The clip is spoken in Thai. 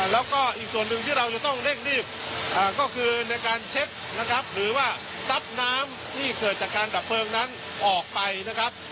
แล้วก็อีกส่วนหนึ่งที่เราจะต้องเร่งรีบก็คือในการเช็ดนะครับหรือว่าซัดน้ำที่เกิดจากการดับเพลิงนั้นออกไปนะครับ